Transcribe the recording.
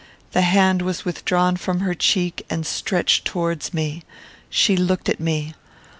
The hand was withdrawn from her cheek, and stretched towards me. She looked at me.